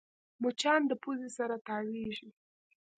مچان د پوزې سره تاوېږي